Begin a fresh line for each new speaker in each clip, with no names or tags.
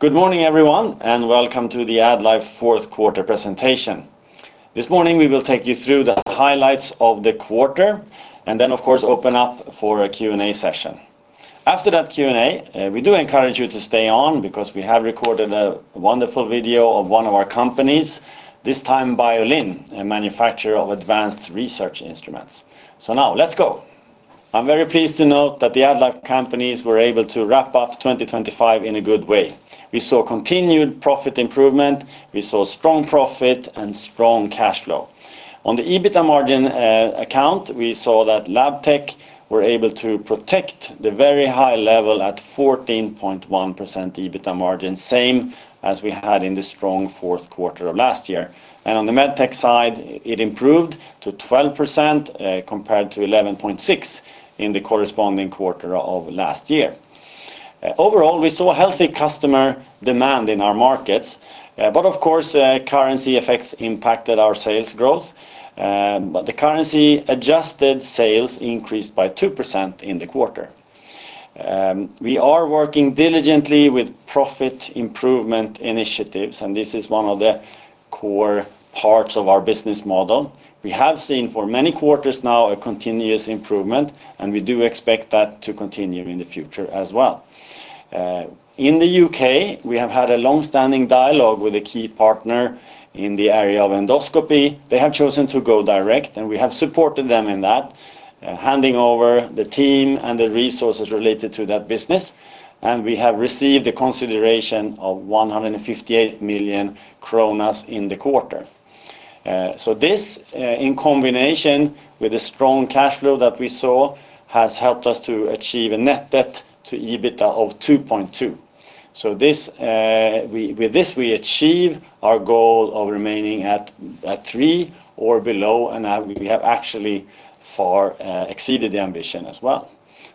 Good morning, everyone, and welcome to the AddLife Q4 presentation. This morning, we will take you through the highlights of the quarter, and then, of course, open up for a Q&A session. After that Q&A, we do encourage you to stay on because we have recorded a wonderful video of one of our companies, this time, Biolin, a manufacturer of advanced research instruments. So now, let's go. I'm very pleased to note that the AddLife companies were able to wrap up 2025 in a good way. We saw continued profit improvement, we saw strong profit and strong cash flow. On the EBITDA margin account, we saw that Labtech were able to protect the very high level at 14.1% EBITDA margin, same as we had in the strong Q4 of last year. On the Medtech side, it improved to 12%, compared to 11.6% in the corresponding quarter of last year. Overall, we saw a healthy customer demand in our markets, but of course, currency effects impacted our sales growth. But the currency-adjusted sales increased by 2% in the quarter. We are working diligently with profit improvement initiatives, and this is one of the core parts of our business model. We have seen, for many quarters now, a continuous improvement, and we do expect that to continue in the future as well. In the U.K., we have had a long-standing dialogue with a key partner in the area of endoscopy. They have chosen to go direct, and we have supported them in that, handing over the team and the resources related to that business, and we have received a consideration of 158 million kronor in the quarter. So this, in combination with the strong cash flow that we saw, has helped us to achieve a net debt to EBITDA of 2.2. So this, with this, we achieve our goal of remaining at three or below, and now we have actually far exceeded the ambition as well.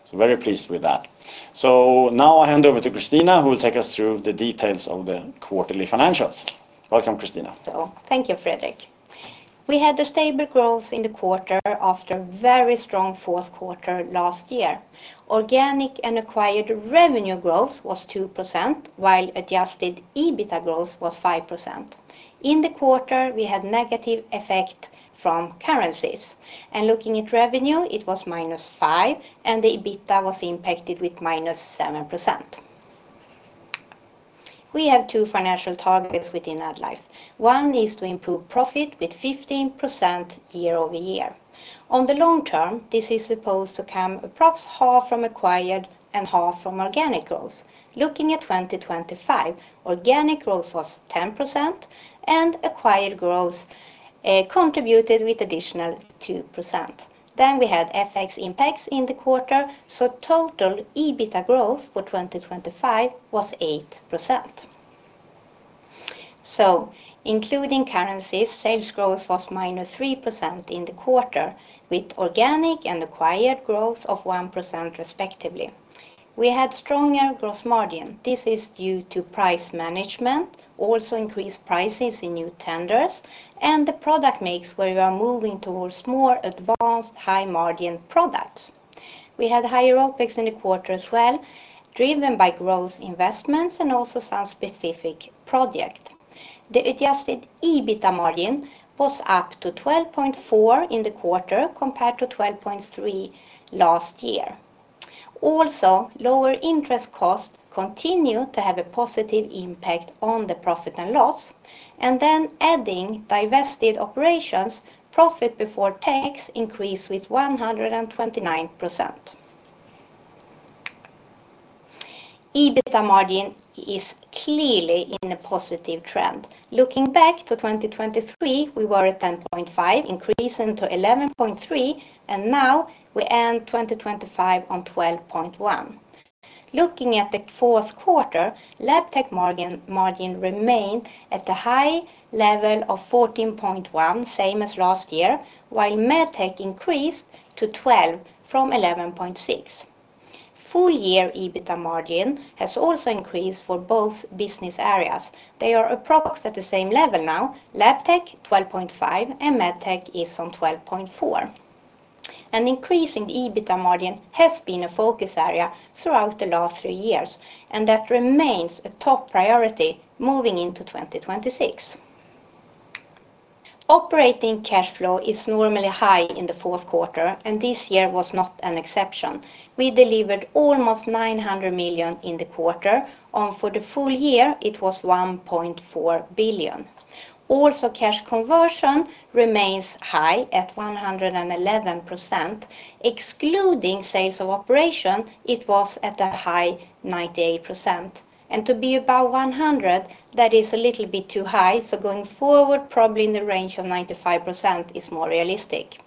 So very pleased with that. So now I hand over to Christina, who will take us through the details of the quarterly financials. Welcome, Christina.
So thank you, Fredrik. We had a stable growth in the quarter after a very strong Q4 last year. Organic and acquired revenue growth was 2%, while adjusted EBITDA growth was 5%. In the quarter, we had negative effect from currencies, and looking at revenue, it was -5%, and the EBITDA was impacted with -7%. We have two financial targets within AddLife. One is to improve profit with 15% year-over-year. On the long term, this is supposed to come approx half from acquired and half from organic growth. Looking at 2025, organic growth was 10%, and acquired growth contributed with additional 2%. Then we had FX impacts in the quarter, so total EBITDA growth for 2025 was 8%. Including currencies, sales growth was -3% in the quarter, with organic and acquired growth of 1%, respectively. We had stronger gross margin. This is due to price management, also increased prices in new tenders, and the product mix, where we are moving towards more advanced high-margin products. We had higher OpEx in the quarter as well, driven by growth investments and also some specific project. The adjusted EBITDA margin was up to 12.4% in the quarter, compared to 12.3% last year. Also, lower interest costs continue to have a positive impact on the profit and loss, and then adding divested operations, profit before tax increased with 129%. EBITDA margin is clearly in a positive trend. Looking back to 2023, we were at 10.5%, increasing to 11.3%, and now we end 2025 on 12.1%. Looking at the Q4, Labtech margin remained at the high level of 14.1%, same as last year, while Medtech increased to 12% from 11.6%. Full-year EBITDA margin has also increased for both business areas. They are approximately at the same level now, Labtech 12.5%, and Medtech is on 12.4%. An increase in the EBITDA margin has been a focus area throughout the last three years, and that remains a top priority moving into 2026. Operating cash flow is normally high in the Q4, and this year was not an exception. We delivered almost 900 million in the quarter, and for the full year, it was 1.4 billion. Also, cash conversion remains high at 111%. Excluding sales of operation, it was at a high 98%. And to be about 100, that is a little bit too high, so going forward, probably in the range of 95% is more realistic.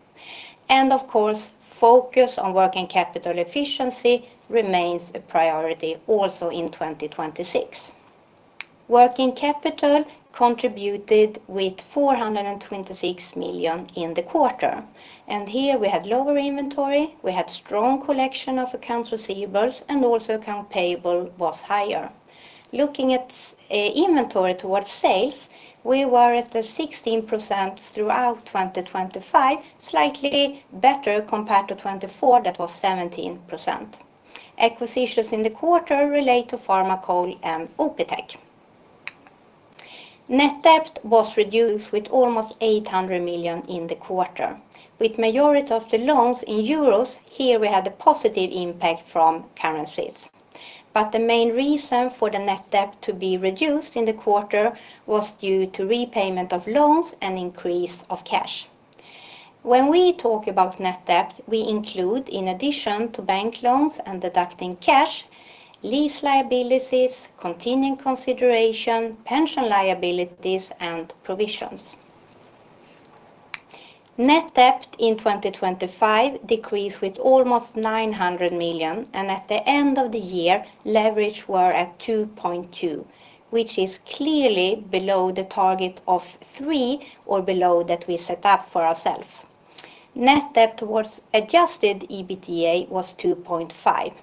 And of course, focus on working capital efficiency remains a priority also in 2026. Working capital contributed with 426 million in the quarter. And here we had lower inventory, we had strong collection of accounts receivables, and also account payable was higher. Looking at inventory to sales, we were at 16% throughout 2025, slightly better compared to 2024, that was 17%. Acquisitions in the quarter relate to Pharmacold and Opitek. Net debt was reduced with almost 800 million in the quarter, with majority of the loans in euros, here we had a positive impact from currencies. But the main reason for the net debt to be reduced in the quarter was due to repayment of loans and increase of cash. When we talk about net debt, we include, in addition to bank loans and deducting cash, lease liabilities, continuing consideration, pension liabilities, and provisions. Net debt in 2025 decreased with almost 900 million, and at the end of the year, leverage were at 2.2, which is clearly below the target of 3 or below that we set up for ourselves. Net debt towards adjusted EBITDA was 2.5.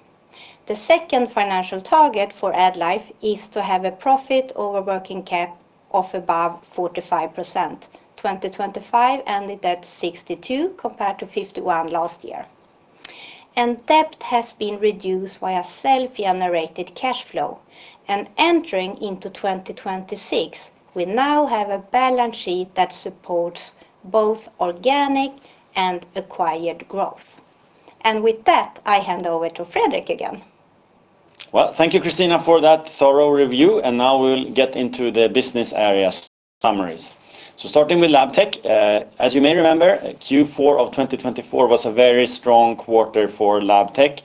The second financial target for AddLife is to have a profit over working cap of above 45%. 2025 ended at 62, compared to 51 last year. Debt has been reduced by a self-generated cash flow. Entering 2026, we now have a balance sheet that supports both organic and acquired growth. With that, I hand over to Fredrik again.
Well, thank you, Christina, for that thorough review, and now we'll get into the business areas summaries. So starting with Labtech, as you may remember, Q4 of 2024 was a very strong quarter for Labtech.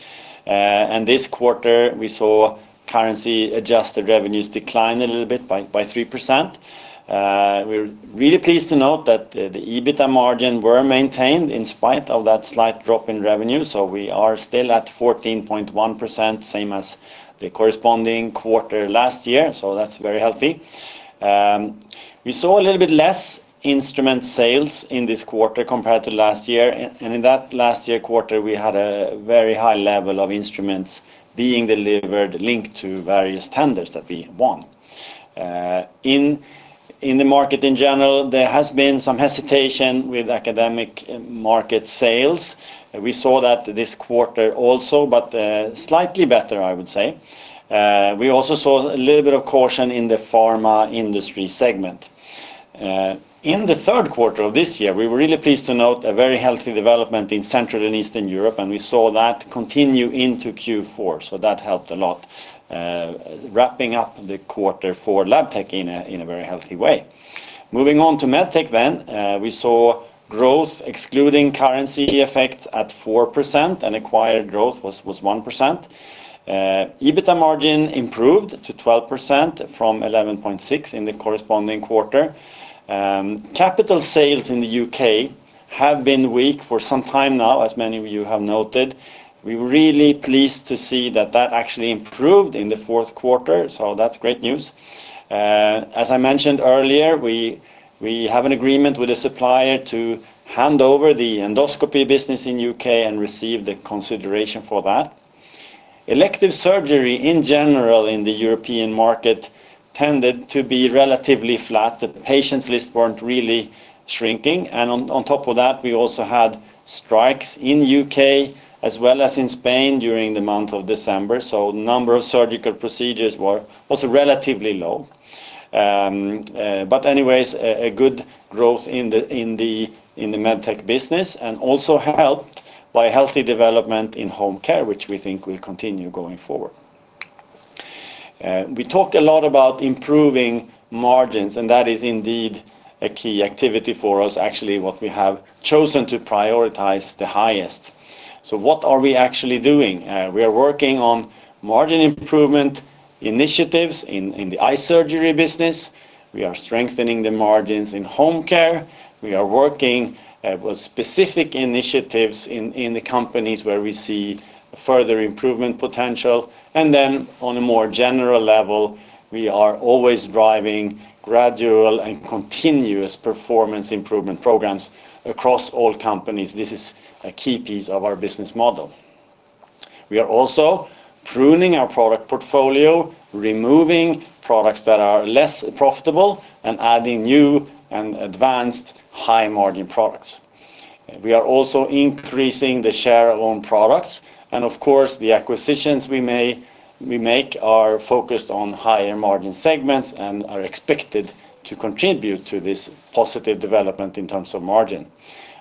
And this quarter, we saw currency-adjusted revenues decline a little bit by 3%. We're really pleased to note that the EBITDA margin was maintained in spite of that slight drop in revenue, so we are still at 14.1%, same as the corresponding quarter last year, so that's very healthy. We saw a little bit less instrument sales in this quarter compared to last year, and in that last year quarter, we had a very high level of instruments being delivered, linked to various tenders that we won. In the market in general, there has been some hesitation with academic market sales. We saw that this quarter also, but slightly better, I would say. We also saw a little bit of caution in the pharma industry segment. In the Q3 of this year, we were really pleased to note a very healthy development in Central and Eastern Europe, and we saw that continue into Q4, so that helped a lot, wrapping up the quarter for Labtech in a very healthy way. Moving on to Medtech then, we saw growth, excluding currency effects at 4%, and acquired growth was 1%. EBITDA margin improved to 12% from 11.6% in the corresponding quarter. Capital sales in the U.K. have been weak for some time now, as many of you have noted. We're really pleased to see that that actually improved in the Q4, so that's great news. As I mentioned earlier, we have an agreement with a supplier to hand over the endoscopy business in U.K. and receive the consideration for that. Elective surgery in general in the European market tended to be relatively flat. The patients list weren't really shrinking, and on top of that, we also had strikes in U.K. as well as in Spain during the month of December, so number of surgical procedures were also relatively low. But anyways, a good growth in the Medtech business, and also helped by healthy development in home care, which we think will continue going forward. We talked a lot about improving margins, and that is indeed a key activity for us, actually, what we have chosen to prioritize the highest. So what are we actually doing? We are working on margin improvement initiatives in the eye surgery business. We are strengthening the margins in home care. We are working with specific initiatives in the companies where we see further improvement potential. And then on a more general level, we are always driving gradual and continuous performance improvement programs across all companies. This is a key piece of our business model. We are also pruning our product portfolio, removing products that are less profitable, and adding new and advanced high-margin products. We are also increasing the share on products, and of course, the acquisitions we make are focused on higher margin segments and are expected to contribute to this positive development in terms of margin.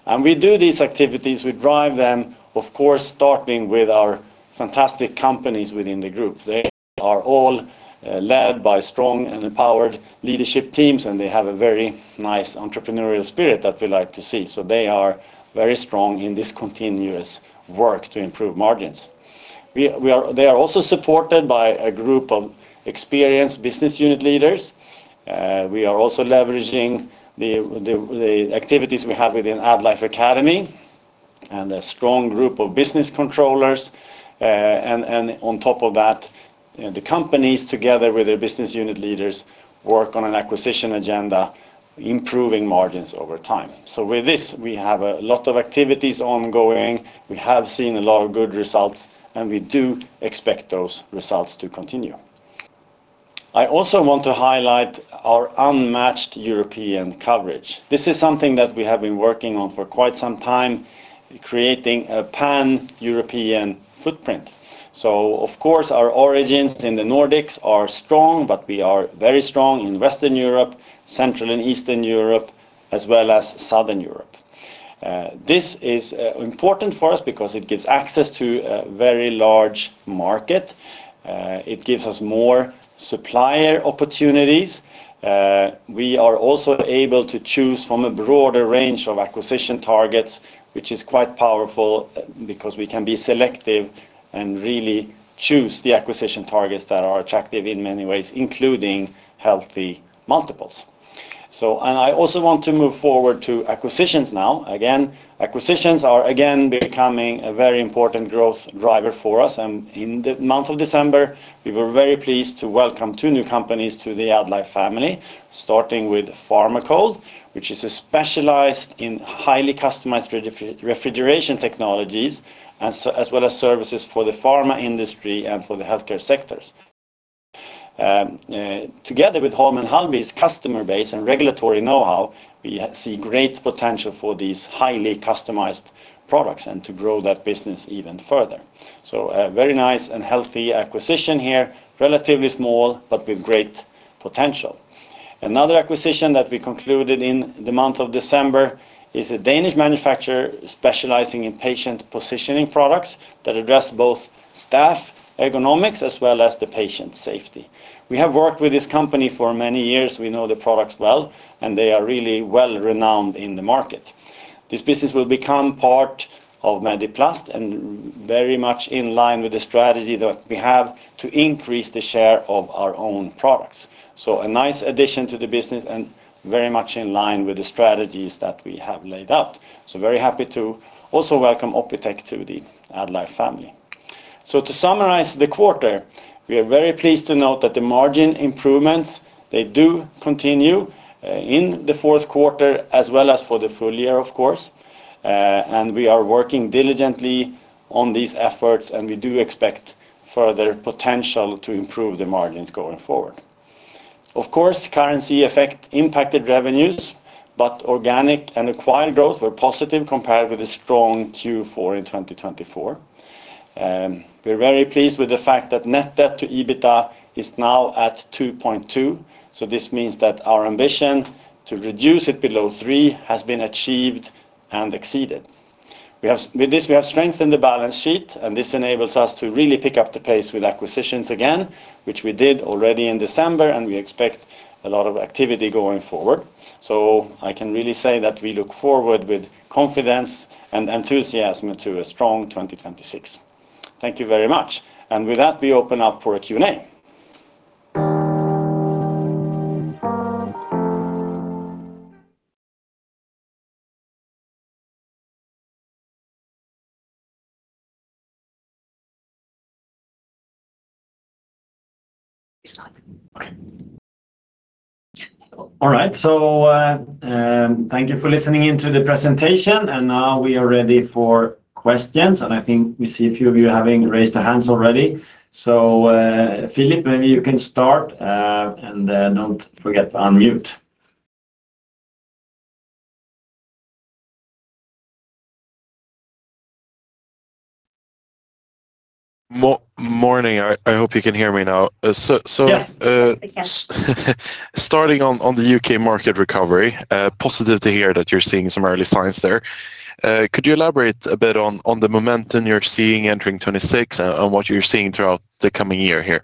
And we do these activities, we drive them, of course, starting with our fantastic companies within the group. They are all led by strong and empowered leadership teams, and they have a very nice entrepreneurial spirit that we like to see, so they are very strong in this continuous work to improve margins. They are also supported by a group of experienced business unit leaders. We are also leveraging the activities we have within AddLife Academy, and a strong group of business controllers. And on top of that, the companies together with their business unit leaders work on an acquisition agenda, improving margins over time. So with this, we have a lot of activities ongoing. We have seen a lot of good results, and we do expect those results to continue. I also want to highlight our unmatched European coverage. This is something that we have been working on for quite some time, creating a Pan-European footprint. So of course, our origins in the Nordics are strong, but we are very strong in Western Europe, Central and Eastern Europe, as well as Southern Europe. This is important for us because it gives access to a very large market. It gives us more supplier opportunities. We are also able to choose from a broader range of acquisition targets, which is quite powerful, because we can be selective and really choose the acquisition targets that are attractive in many ways, including healthy multiples. So, and I also want to move forward to acquisitions now. Again, acquisitions are again becoming a very important growth driver for us, and in the month of December, we were very pleased to welcome two new companies to the AddLife family, starting with Pharmacold, which is specialized in highly customized refrigeration technologies, as well as services for the pharma industry and for the healthcare sectors. Together with Holm & Halby's customer base and regulatory know-how, we see great potential for these highly customized products and to grow that business even further. So a very nice and healthy acquisition here, relatively small, but with great potential. Another acquisition that we concluded in the month of December is a Danish manufacturer specializing in patient positioning products that address both staff ergonomics as well as patient safety. We have worked with this company for many years. We know the products well, and they are really well-renowned in the market. This business will become part of Mediplast, and very much in line with the strategy that we have to increase the share of our own products. So a nice addition to the business and very much in line with the strategies that we have laid out. So very happy to also welcome Opitek to the AddLife family. So to summarize the quarter, we are very pleased to note that the margin improvements, they do continue, in the Q4, as well as for the full year, of course. And we are working diligently on these efforts, and we do expect further potential to improve the margins going forward. Of course, currency effect impacted revenues, but organic and acquired growth were positive compared with a strong Q4 in 2024. We're very pleased with the fact that Net debt to EBITDA is now at 2.2, so this means that our ambition to reduce it below 3 has been achieved and exceeded. We have, with this, we have strengthened the balance sheet, and this enables us to really pick up the pace with acquisitions again, which we did already in December, and we expect a lot of activity going forward. So I can really say that we look forward with confidence and enthusiasm to a strong 2026. Thank you very much. And with that, we open up for a Q&A. It's live. Okay. All right, so, thank you for listening in to the presentation, and now we are ready for questions. And I think we see a few of you having raised their hands already. So, Philip, maybe you can start, and don't forget to unmute.
Morning. I hope you can hear me now.
Yes.
Starting on the UK market recovery, positive to hear that you're seeing some early signs there. Could you elaborate a bit on the momentum you're seeing entering 2026 and what you're seeing throughout the coming year here?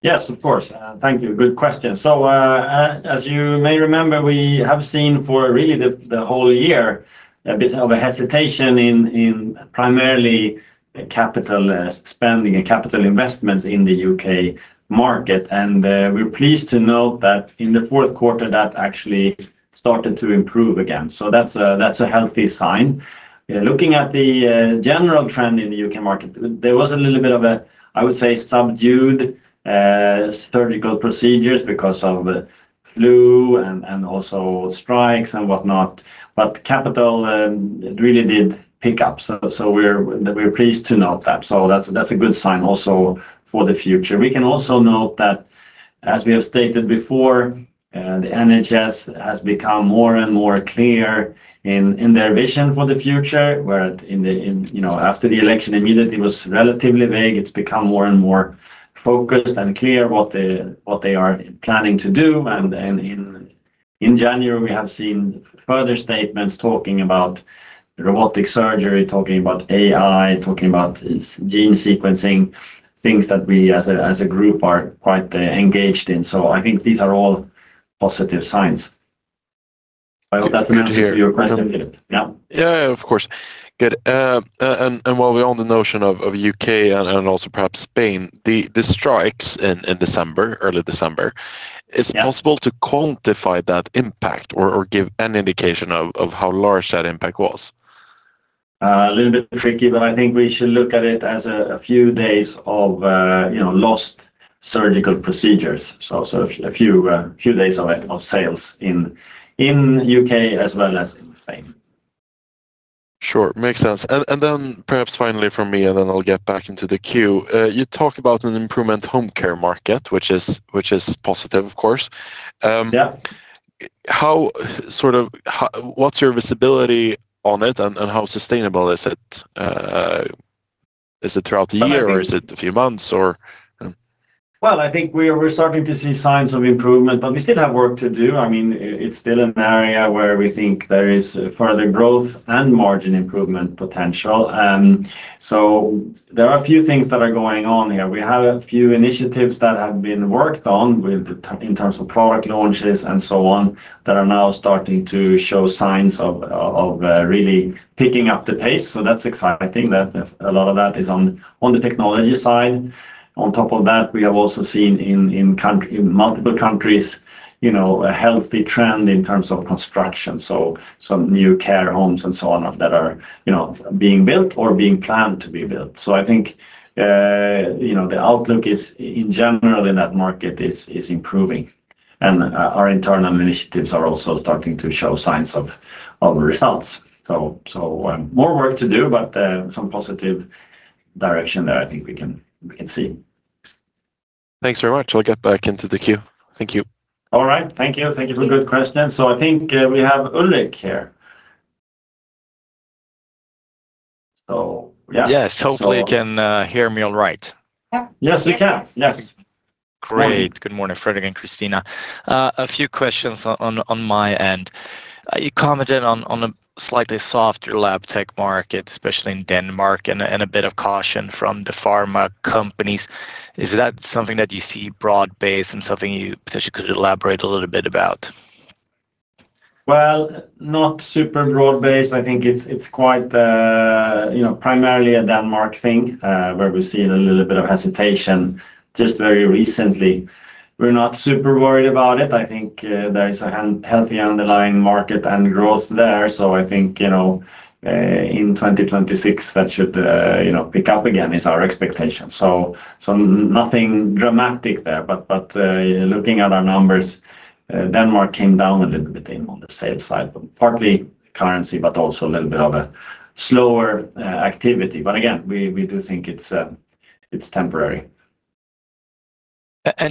Yes, of course. Thank you. Good question. So, as you may remember, we have seen for really the whole year a bit of a hesitation in primarily capital spending and capital investments in the UK market. And, we're pleased to note that in the Q4, that actually started to improve again. So that's a healthy sign. Looking at the general trend in the UK market, there was a little bit of a, I would say, subdued surgical procedures because of flu and also strikes and whatnot, but capital really did pick up. So we're pleased to note that. So that's a good sign also for the future. We can also note that, as we have stated before, the NHS has become more and more clear in their vision for the future, where in the, you know, after the election, immediately it was relatively vague. It's become more and more focused and clear what they are planning to do. And in January, we have seen further statements talking about robotic surgery, talking about AI, talking about gene sequencing, things that we as a group are quite engaged in. So I think these are all positive signs. I hope that's an answer to your question, Philip.
Good to hear.
Yeah.
Yeah, of course. Good. And while we're on the notion of UK and also perhaps Spain, the strikes in December, early December-
Yeah...
is it possible to quantify that impact or, or give an indication of, of how large that impact was? ...
A little bit tricky, but I think we should look at it as a few days of, you know, lost surgical procedures. So a few days of sales in UK as well as in Spain.
Sure, makes sense. And then perhaps finally from me, and then I'll get back into the queue. You talk about an improvement home care market, which is positive, of course.
Yeah.
Sort of, what's your visibility on it, and, and how sustainable is it? Is it throughout the year-
I think-...
or is it a few months, or?
Well, I think we're starting to see signs of improvement, but we still have work to do. I mean, it's still an area where we think there is further growth and margin improvement potential. So there are a few things that are going on here. We have a few initiatives that have been worked on with the... In terms of product launches and so on, that are now starting to show signs of really picking up the pace, so that's exciting, that a lot of that is on the technology side. On top of that, we have also seen in multiple countries, you know, a healthy trend in terms of construction, so some new care homes and so on, that are, you know, being built or being planned to be built. So I think, you know, the outlook, in general in that market, is improving, and our internal initiatives are also starting to show signs of results. So, more work to do, but some positive direction there I think we can see.
Thanks very much. I'll get back into the queue. Thank you.
All right. Thank you. Thank you for a good question, and so I think, we have Ulrik here. So yeah.
Yes.
So-
Hopefully, you can hear me all right.
Yeah. Yes, we can. Yes.
Great. Good morning, Fredrik and Christina. A few questions on my end. You commented on a slightly softer Labtech market, especially in Denmark, and a bit of caution from the pharma companies. Is that something that you see broad-based and something you potentially could elaborate a little bit about?
Well, not super broad-based. I think it's quite, you know, primarily a Denmark thing, where we've seen a little bit of hesitation just very recently. We're not super worried about it. I think there is a healthy underlying market and growth there, so I think, you know, in 2026, that should pick up again is our expectation. So nothing dramatic there, but looking at our numbers, Denmark came down a little bit on the sales side, but partly currency, but also a little bit of a slower activity. But again, we do think it's temporary.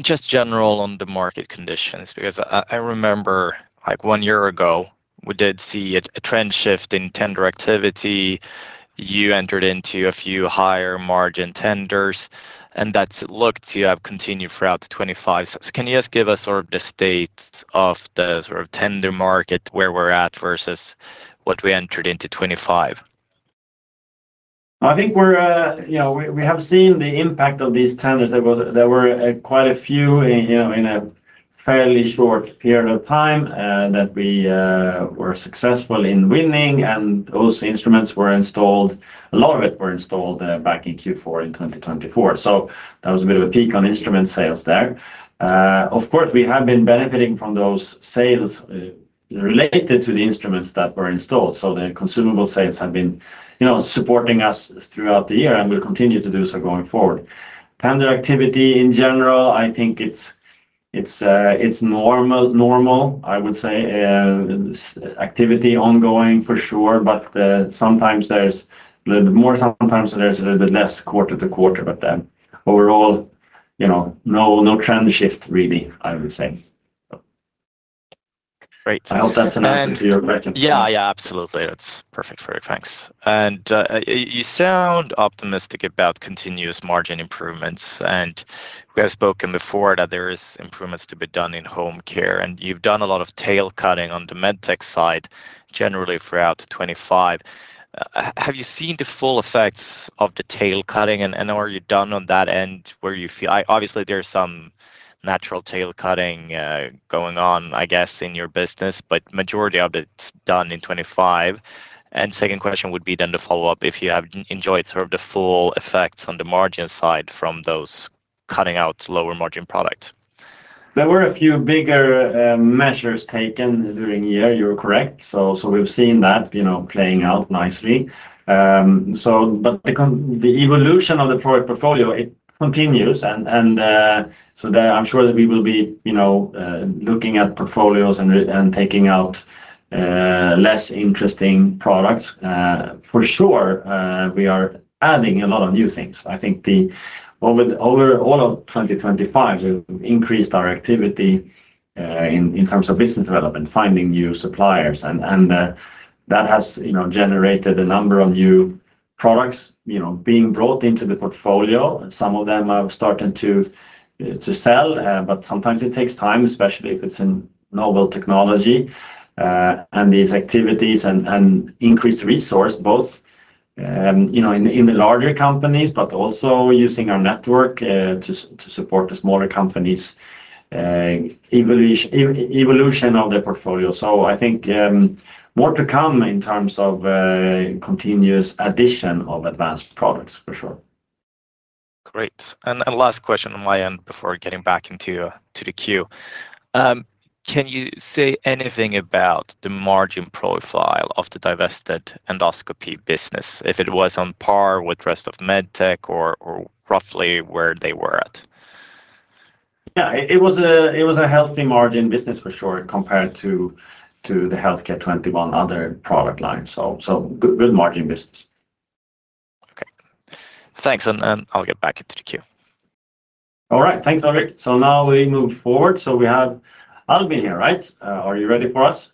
Just general on the market conditions, because I remember, like one year ago, we did see a trend shift in tender activity. You entered into a few higher margin tenders, and that's looked to have continued throughout 2025. So can you just give us sort of the state of the sort of tender market, where we're at versus what we entered into 2025?
I think we're... You know, we have seen the impact of these tenders. There were quite a few, you know, in a fairly short period of time that we were successful in winning, and those instruments were installed. A lot of it were installed back in Q4 in 2024, so that was a bit of a peak on instrument sales there. Of course, we have been benefiting from those sales related to the instruments that were installed, so the consumable sales have been, you know, supporting us throughout the year and will continue to do so going forward. Tender activity in general, I think it's normal, normal, I would say. Activity ongoing, for sure, but sometimes there's a little bit more, sometimes there's a little bit less quarter-to-quarter, but then overall, you know, no, no trend shift really, I would say. So.
Great.
I hope that's an answer to your question.
Yeah. Yeah, absolutely. That's perfect, Fredrik, thanks. And, you sound optimistic about continuous margin improvements, and we have spoken before that there is improvements to be done in home care, and you've done a lot of tail cutting on the med tech side, generally throughout 2025. Have you seen the full effects of the tail cutting, and are you done on that end, where you feel... Obviously there's some natural tail cutting going on, I guess, in your business, but majority of it's done in 2025. And second question would be then to follow up, if you have enjoyed sort of the full effects on the margin side from those cutting out lower margin products?
There were a few bigger measures taken during the year, you're correct. So we've seen that, you know, playing out nicely. But the evolution of the product portfolio, it continues, and so then I'm sure that we will be, you know, looking at portfolios and taking out less interesting products. For sure, we are adding a lot of new things. I think the overall of 2025, we've increased our activity in terms of business development, finding new suppliers, and that has, you know, generated a number of new products, you know, being brought into the portfolio. Some of them have started to sell, but sometimes it takes time, especially if it's a novel technology. And these activities and increased resource both, you know, in the larger companies, but also using our network to support the smaller companies, evolution of the portfolio. So I think, more to come in terms of continuous addition of advanced products, for sure....
Great! And last question on my end before getting back into the queue. Can you say anything about the margin profile of the divested endoscopy business, if it was on par with the rest of Medtech or roughly where they were at?
Yeah, it was a healthy margin business for sure compared to the Healthcare 21 other product lines, so good margin business.
Okay. Thanks, and, and I'll get back into the queue.
All right. Thanks, Ulrik. So now we move forward, so we have Albin here, right? Are you ready for us?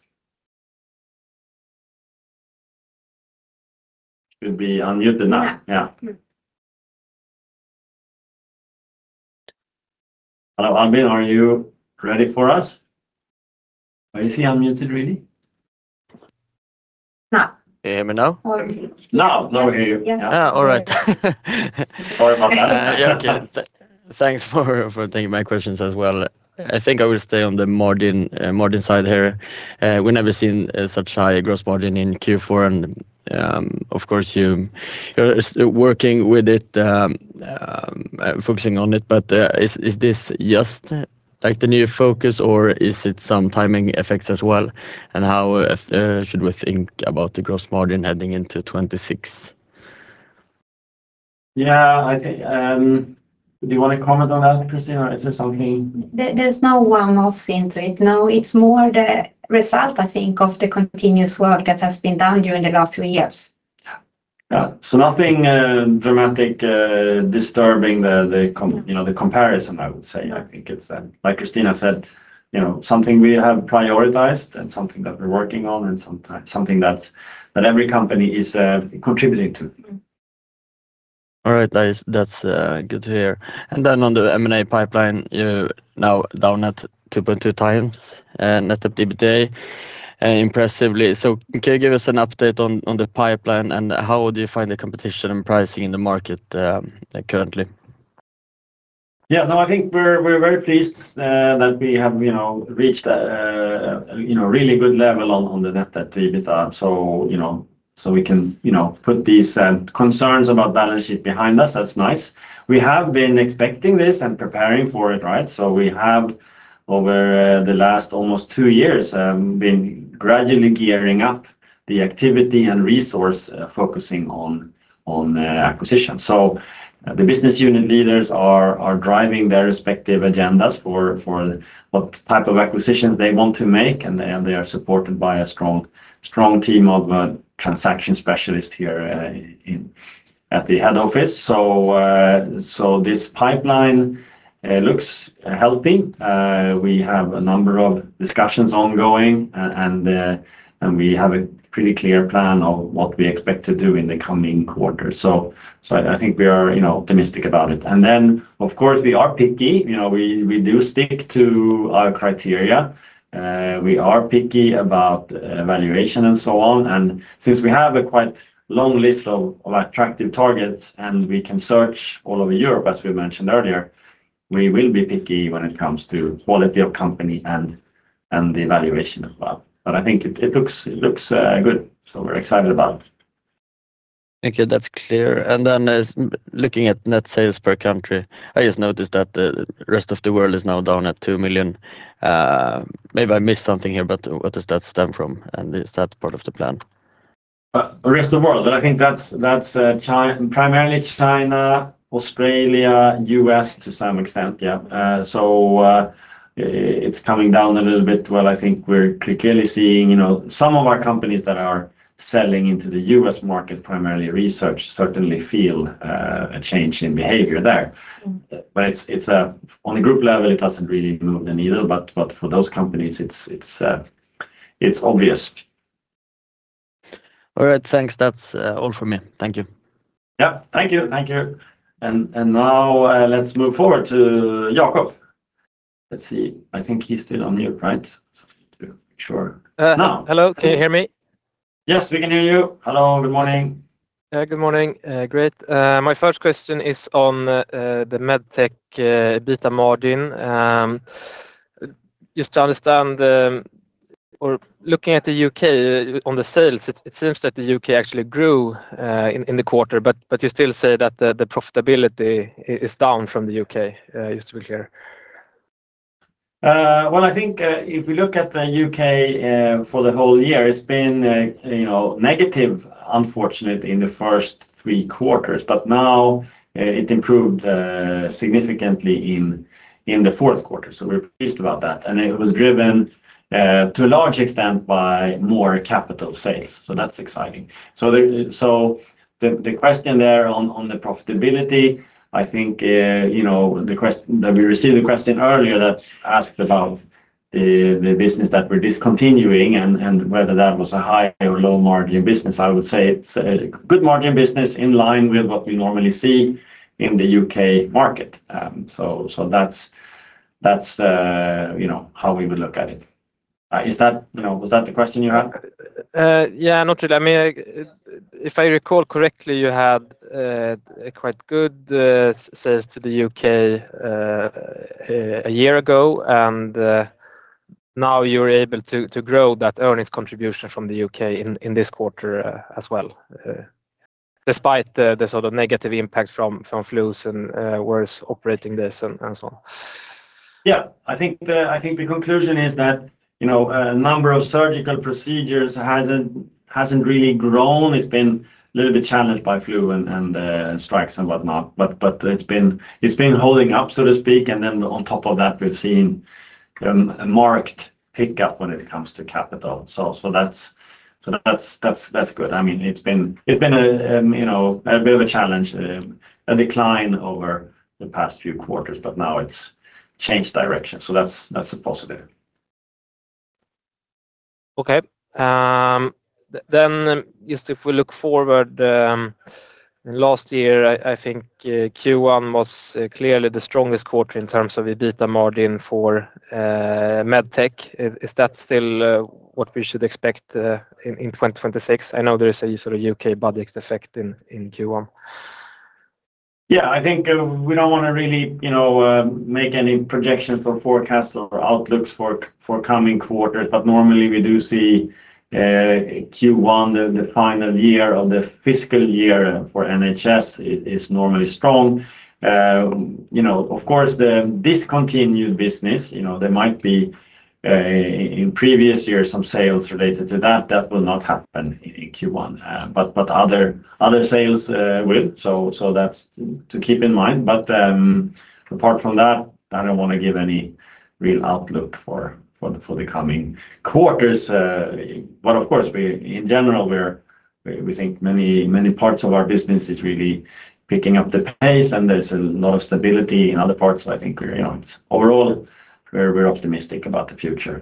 Should be unmuted now.
Yeah.
Yeah. Hello, Albin, are you ready for us? Are you still unmuted, really?
No. You hear me now?
Now, now we hear you.
Yeah. All right.
Sorry about that.
Yeah, okay. Thanks for taking my questions as well. I think I will stay on the margin side here. We've never seen such high gross margin in Q4, and, of course, you're still working with it, focusing on it, but, is this just like the new focus, or is it some timing effects as well? And how should we think about the gross margin heading into 2026?
Yeah, I think... Do you wanna comment on that, Kristina? Is there something-
There, there's no one-offs into it, no. It's more the result, I think, of the continuous work that has been done during the last three years.
Yeah. Yeah, so nothing dramatic disturbing the comparison, you know, I would say. I think it's like Kristina said, you know, something we have prioritized and something that we're working on, and something that's that every company is contributing to.
Mm.
All right, guys, that's good to hear. And then on the M&A pipeline, you're now down at 2.2x net debt to EBITDA, and impressively so. Can you give us an update on the pipeline, and how do you find the competition and pricing in the market, currently?
Yeah, no, I think we're, we're very pleased, that we have, you know, reached a, you know, a really good level on, on the net debt to EBITDA, so, you know, so we can, you know, put these, concerns about balance sheet behind us. That's nice. We have been expecting this and preparing for it, right? So we have, over the last almost two years, been gradually gearing up the activity and resource, focusing on, on, acquisition. So the business unit leaders are, are driving their respective agendas for, for what type of acquisitions they want to make, and they, and they are supported by a strong, strong team of, transaction specialists here, in, at the head office. So, so this pipeline, looks healthy. We have a number of discussions ongoing, and we have a pretty clear plan of what we expect to do in the coming quarter. So I think we are, you know, optimistic about it. And then, of course, we are picky. You know, we do stick to our criteria. We are picky about evaluation and so on. And since we have a quite long list of attractive targets, and we can search all over Europe, as we mentioned earlier, we will be picky when it comes to quality of company and the evaluation as well. But I think it looks good, so we're excited about it.
Okay, that's clear. And then as looking at net sales per country, I just noticed that the rest of the world is now down at 2 million. Maybe I missed something here, but what does that stem from, and is that part of the plan?
The rest of the world, I think that's primarily China, Australia, US to some extent. Yeah. So, it's coming down a little bit. Well, I think we're clearly seeing, you know, some of our companies that are selling into the US market, primarily research, certainly feel a change in behavior there.
Mm.
But it's, it's, on a group level, it doesn't really move the needle, but, but for those companies, it's, it's, it's obvious.
All right, thanks. That's all for me. Thank you.
Yeah, thank you. Thank you. And now, let's move forward to Jakob. Let's see. I think he's still on mute, right? So to make sure. Uh, hello. Now.
Can you hear me?
Yes, we can hear you. Hello, good morning.
Yeah, good morning. Great. My first question is on the Medtech EBITDA margin. Just to understand, or looking at the UK on the sales, it seems that the UK actually grew in the quarter, but you still say that the profitability is down from the UK used to be here.
Well, I think if we look at the UK for the whole year, it's been you know, negative, unfortunately, in the first three quarters, but now it improved significantly in the Q4, so we're pleased about that. And it was driven to a large extent by more capital sales, so that's exciting. So the question there on the profitability, I think you know that we received a question earlier that asked about the business that we're discontinuing and whether that was a high or low margin business. I would say it's a good margin business in line with what we normally see in the UK market. So that's how we would look at it. Is that... You know, was that the question you had?
Yeah, not really. I mean, if I recall correctly, you had a quite good sales to the U.K. a year ago, and now you're able to grow that earnings contribution from the U.K. in this quarter as well, despite the sort of negative impact from flus and worse operating this and so on.
Yeah, I think the conclusion is that, you know, a number of surgical procedures hasn't really grown. It's been a little bit challenged by flu and strikes and whatnot, but it's been holding up, so to speak, and then on top of that, we've seen a marked pickup when it comes to capital. So that's good. I mean, it's been a bit of a challenge, a decline over the past few quarters, but now it's changed direction, so that's a positive.
Okay. Then just if we look forward, last year, I, I think, Q1 was clearly the strongest quarter in terms of EBITDA margin for Medtech. Is, is that still what we should expect in 2026? I know there is a sort of UK budget effect in Q1.
Yeah, I think, we don't wanna really, you know, make any projections or forecasts or outlooks for, for coming quarters, but normally we do see, Q1, the, the final year of the fiscal year for NHS is, is normally strong. You know, of course, the discontinued business, you know, there might be, in previous years, some sales related to that, that will not happen in, in Q1. But, but other, other sales, will, so, so that's to keep in mind. But, apart from that, I don't want to give any real outlook for, for the, for the coming quarters. But of course, we... In general, we're, we, we think many, many parts of our business is really picking up the pace, and there's a lot of stability in other parts. I think, you know, overall, we're optimistic about the future.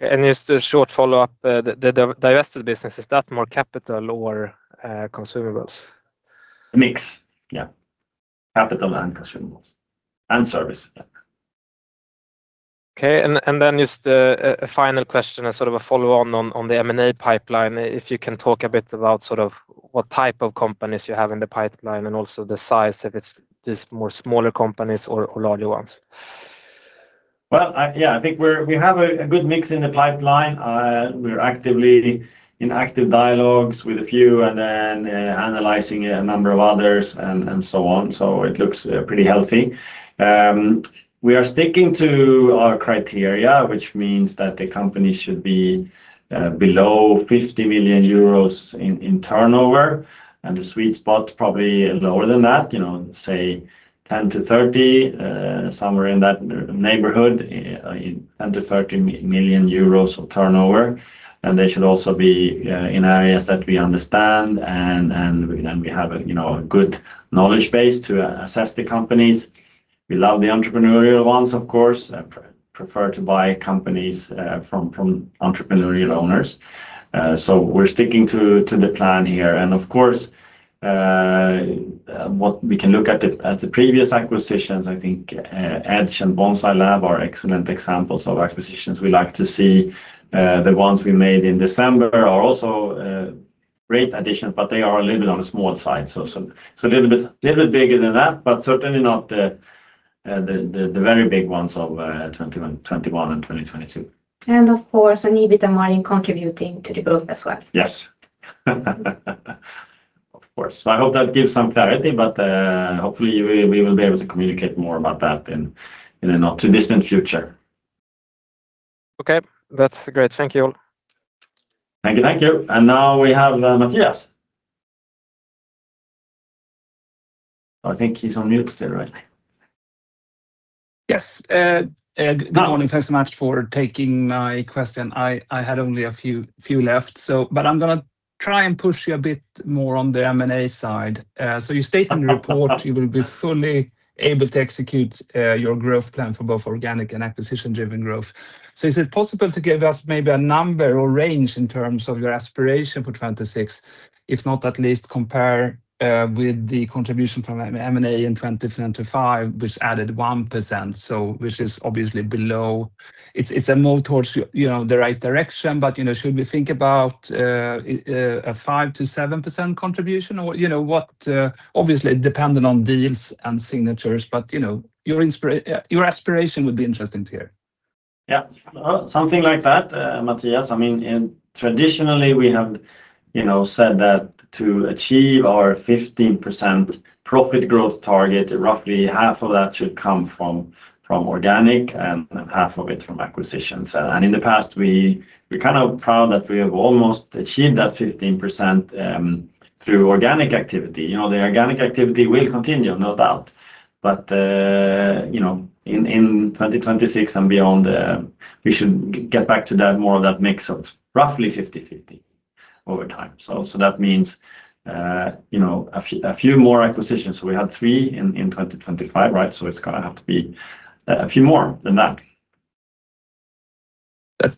And just a short follow-up, the divested business, is that more capital or consumables?
Mix, yeah. Capital and consumables, and service.
Okay, and then just a final question, a sort of follow-on on the M&A pipeline. If you can talk a bit about sort of what type of companies you have in the pipeline and also the size, if it's just more smaller companies or larger ones.
Well, yeah, I think we have a good mix in the pipeline. We're actively in dialogues with a few and then analyzing a number of others and so on. So it looks pretty healthy. We are sticking to our criteria, which means that the company should be below 50 million euros in turnover, and the sweet spot, probably lower than that, you know, say 10-30, somewhere in that neighborhood, in 10-30 million euros of turnover. And they should also be in areas that we understand, and we have a, you know, a good knowledge base to assess the companies. We love the entrepreneurial ones, of course, prefer to buy companies from entrepreneurial owners. So we're sticking to the plan here, and, of course, what we can look at the previous acquisitions, I think, Edge and Bonsai Lab are excellent examples of acquisitions we like to see. The ones we made in December are also great additions, but they are a little bit on the small side, so a little bit bigger than that, but certainly not the very big ones of 2021 and 2022.
Of course, an EBITDA margin contributing to the group as well.
Yes. Of course. So I hope that gives some clarity, but hopefully, we will be able to communicate more about that in a not-too-distant future.
Okay, that's great. Thank you.
Thank you. Thank you. Now we have Mattias. I think he's on mute still, right?
Yes, good morning. Thanks so much for taking my question. I had only a few left, so... But I'm gonna try and push you a bit more on the M&A side. So you state in the report, you will be fully able to execute your growth plan for both organic and acquisition-driven growth. So is it possible to give us maybe a number or range in terms of your aspiration for 2026? If not, at least compare with the contribution from M&A in 2025, which added 1%, so, which is obviously below. It's a move towards, you know, the right direction, but, you know, should we think about a 5%-7% contribution? Or, you know, what, obviously dependent on deals and signatures, but, you know, your aspiration would be interesting to hear.
Yeah. Well, something like that, Mattias. I mean, traditionally, we have, you know, said that to achieve our 15% profit growth target, roughly half of that should come from organic and half of it from acquisitions. And in the past, we're kind of proud that we have almost achieved that 15% through organic activity. You know, the organic activity will continue, no doubt. But you know, in 2026 and beyond, we should get back to that, more of that mix of roughly 50/50 over time. So that means you know, a few more acquisitions. We had three in 2025, right? So it's gonna have to be a few more than that.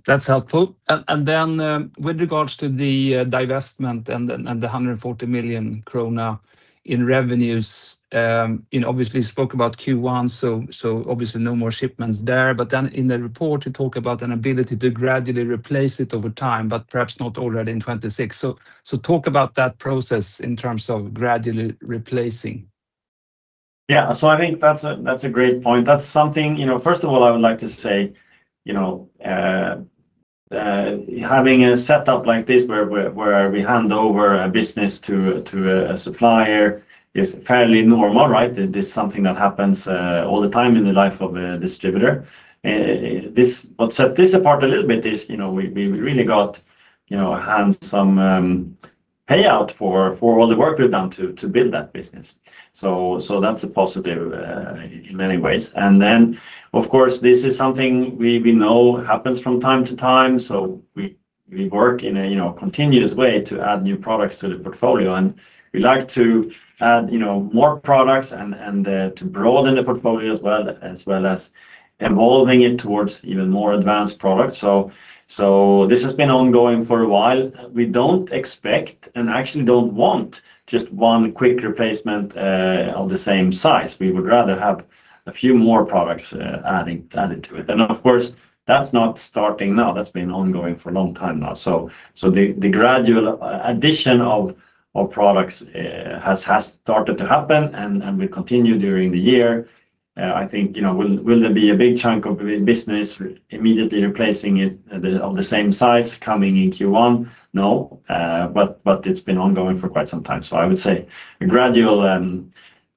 That's helpful. And then, with regards to the divestment and the 140 million krona in revenues, you know, obviously, you spoke about Q1, so obviously no more shipments there, but then in the report, you talk about an ability to gradually replace it over time, but perhaps not already in 2026. So talk about that process in terms of gradually replacing....
Yeah, so I think that's a great point. That's something, you know, first of all, I would like to say, you know, having a setup like this where we hand over a business to a supplier is fairly normal, right? It is something that happens all the time in the life of a distributor. This, what set this apart a little bit is, you know, we really got, you know, a handsome payout for all the work we've done to build that business. So that's a positive in many ways. And then, of course, this is something we know happens from time to time, so we work in a continuous way to add new products to the portfolio. And we like to add, you know, more products and to broaden the portfolio as well as evolving it towards even more advanced products. So this has been ongoing for a while. We don't expect, and actually don't want, just one quick replacement of the same size. We would rather have a few more products added to it. And of course, that's not starting now. That's been ongoing for a long time now. So the gradual addition of products has started to happen, and will continue during the year. I think, you know, will there be a big chunk of the business immediately replacing it, of the same size coming in Q1? No. But it's been ongoing for quite some time. So I would say a gradual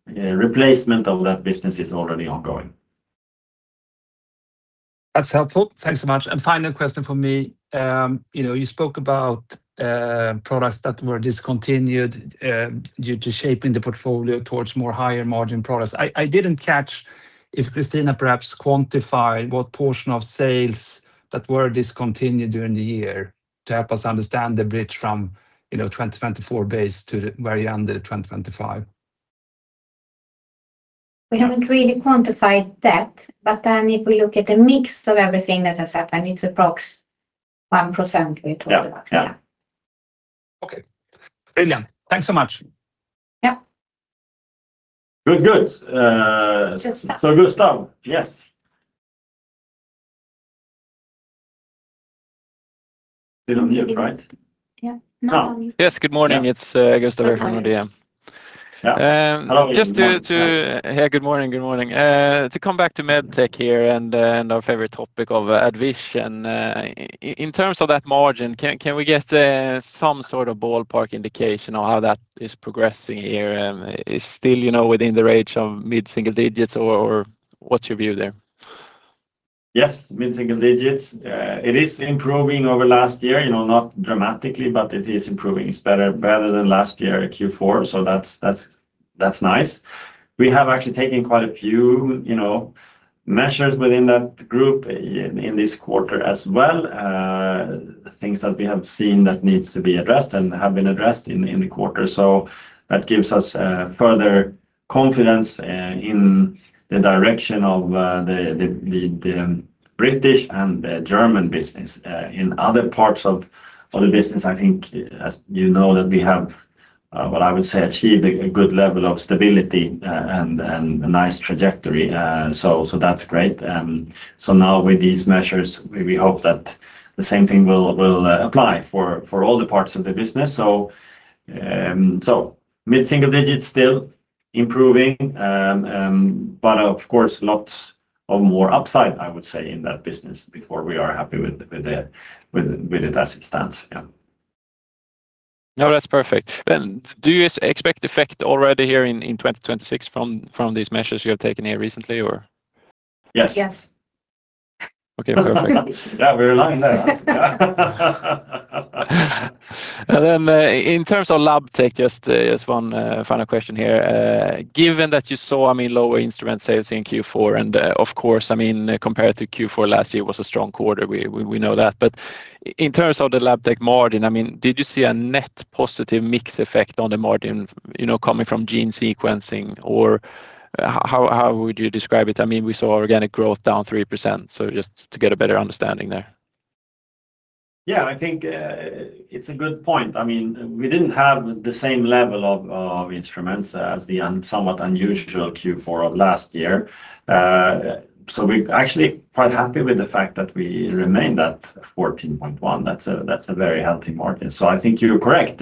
replacement of that business is already ongoing.
That's helpful. Thanks so much. Final question from me. You know, you spoke about products that were discontinued due to shaping the portfolio towards more higher margin products. I didn't catch if Christina perhaps quantified what portion of sales that were discontinued during the year to help us understand the bridge from, you know, the 2024 base to the very end of 2025.
We haven't really quantified that, but then if we look at the mix of everything that has happened, it's approx 1% we're talking about.
Yeah. Yeah. Okay. Brilliant. Thanks so much.
Yeah.
Good, good.
So-
Gustav, yes. Still on mute, right?
Yeah.
Now.
Yes, good morning. It's Gustav from Odin.
Yeah.
Um-
Hello-
Hey, good morning, good morning. To come back to Medtech here and our favorite topic of Vision, in terms of that margin, can we get some sort of ballpark indication on how that is progressing here? It's still, you know, within the range of mid-single digits, or what's your view there?
Yes, mid-single digits. It is improving over last year, you know, not dramatically, but it is improving. It's better than last year, Q4, so that's nice. We have actually taken quite a few, you know, measures within that group in this quarter as well. Things that we have seen that needs to be addressed and have been addressed in the quarter. So that gives us further confidence in the direction of the British and the German business. In other parts of the business, I think, as you know, that we have what I would say achieved a good level of stability and a nice trajectory. So that's great. So now with these measures, we, we hope that the same thing will, will, apply for, for all the parts of the business. So, so mid-single digits, still improving, but of course, lots of more upside, I would say, in that business before we are happy with, with the, with, with it as it stands. Yeah.
No, that's perfect. Then do you expect effect already here in 2026 from these measures you have taken here recently or?
Yes.
Yes.
Okay, perfect.
Yeah, we're aligned there.
Then, in terms of Labtech, just one final question here. Given that you saw, I mean, lower instrument sales in Q4, and, of course, I mean, compared to Q4 last year, it was a strong quarter. We know that. But in terms of the Labtech margin, I mean, did you see a net positive mix effect on the margin, you know, coming from gene sequencing, or how would you describe it? I mean, we saw organic growth down 3%, so just to get a better understanding there.
Yeah, I think it's a good point. I mean, we didn't have the same level of instruments as the somewhat unusual Q4 of last year. So we're actually quite happy with the fact that we remained at 14.1%. That's a very healthy margin. So I think you're correct.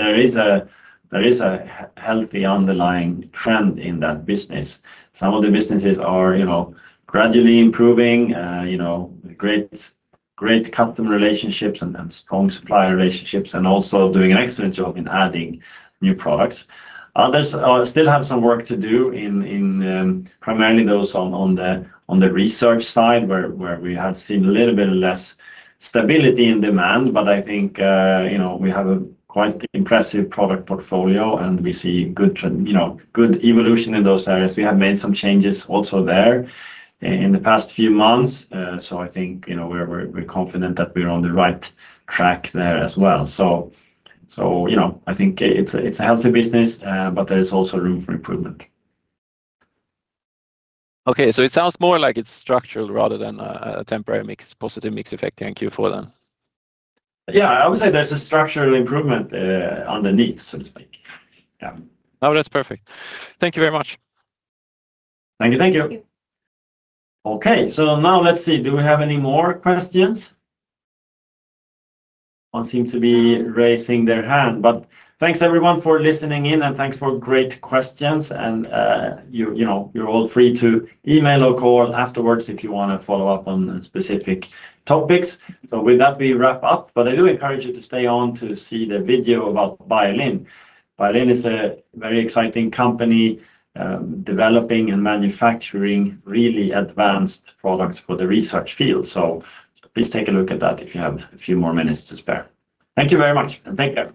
There is a healthy underlying trend in that business. Some of the businesses are, you know, gradually improving, you know, great customer relationships and strong supplier relationships, and also doing an excellent job in adding new products. Others still have some work to do in primarily those on the research side, where we have seen a little bit less stability in demand. But I think, you know, we have a quite impressive product portfolio, and we see good trend, you know, good evolution in those areas. We have made some changes also there in the past few months. So I think, you know, we're confident that we're on the right track there as well. So, you know, I think it's a healthy business, but there is also room for improvement.
Okay, so it sounds more like it's structural rather than a temporary mix, positive mix effect in Q4 then?
Yeah, I would say there's a structural improvement, underneath, so to speak. Yeah.
No, that's perfect. Thank you very much.
Thank you. Thank you.
Thank you.
Okay, so now let's see. Do we have any more questions? No one seems to be raising their hand, but thanks everyone for listening in, and thanks for great questions. And, you know, you're all free to email or call afterwards if you wanna follow up on specific topics. So with that, we wrap up, but I do encourage you to stay on to see the video about Biolin. Biolin is a very exciting company, developing and manufacturing really advanced products for the research field. So please take a look at that if you have a few more minutes to spare. Thank you very much, and thank you,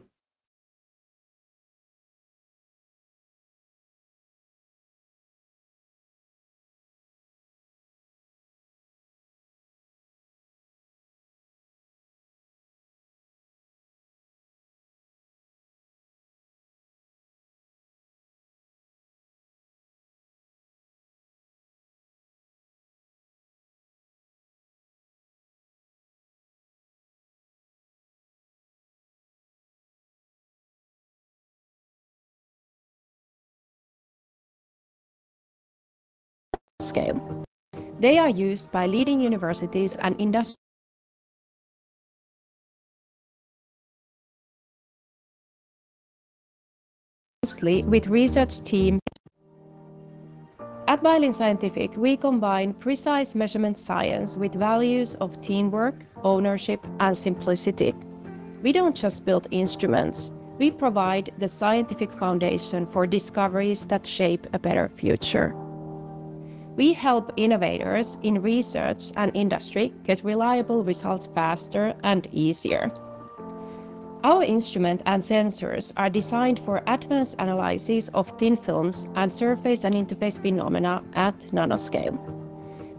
everyone.
Scale. They are used by leading universities and industry. Closely with research team. At Biolin Scientific, we combine precise measurement science with values of teamwork, ownership, and simplicity. We don't just build instruments, we provide the scientific foundation for discoveries that shape a better future. We help innovators in research and industry get reliable results faster and easier. Our instrument and sensors are designed for advanced analysis of thin films and surface and interface phenomena at nanoscale.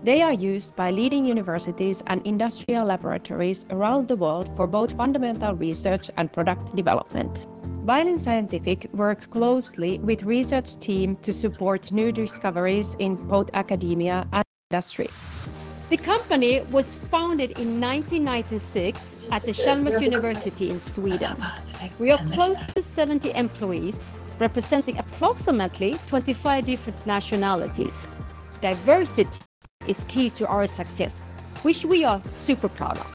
They are used by leading universities and industrial laboratories around the world for both fundamental research and product development. Biolin Scientific work closely with research team to support new discoveries in both academia and industry. The company was founded in 1996 at the Chalmers University of Technology in Sweden. We are close to 70 employees, representing approximately 25 different nationalities. Diversity is key to our success, which we are super proud of.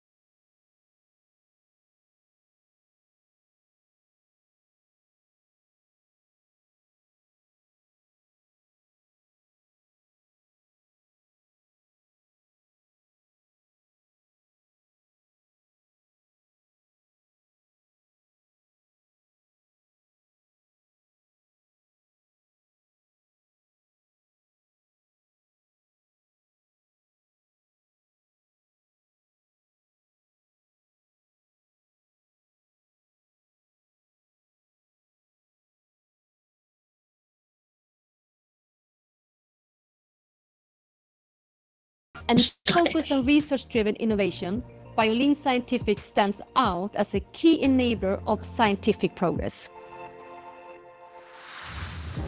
Focus on research-driven innovation, Biolin Scientific stands out as a key enabler of scientific progress.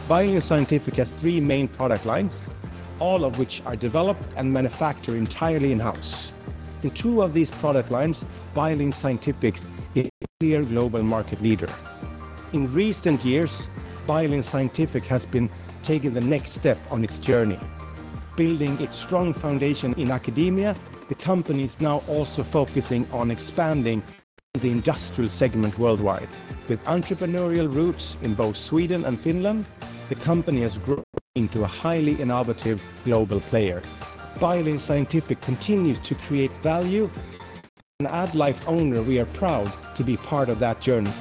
Biolin Scientific has three main product lines, all of which are developed and manufactured entirely in-house. In two of these product lines, Biolin Scientific is a clear global market leader. In recent years, Biolin Scientific has been taking the next step on its journey. Building its strong foundation in academia, the company is now also focusing on expanding the industrial segment worldwide. With entrepreneurial roots in both Sweden and Finland, the company has grown into a highly innovative global player. Biolin Scientific continues to create value, and as AddLife owner, we are proud to be part of that journey.